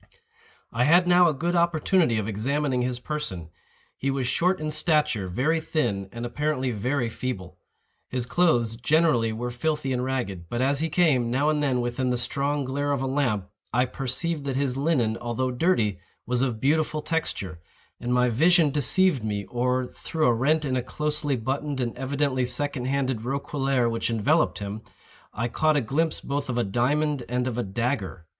I had now a good opportunity of examining his person. He was short in stature, very thin, and apparently very feeble. His clothes, generally, were filthy and ragged; but as he came, now and then, within the strong glare of a lamp, I perceived that his linen, although dirty, was of beautiful texture; and my vision deceived me, or, through a rent in a closely buttoned and evidently second handed roquelaire which enveloped him, I caught a glimpse both of a diamond and of a dagger.